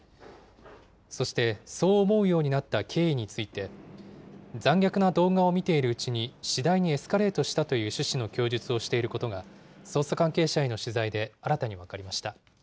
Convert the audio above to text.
そして、そう思うようになった経緯について、残虐な動画を見ているうちに、次第にエスカレートしたという趣旨の供述をしていることが、捜査関係者への取材で新たに分かりました。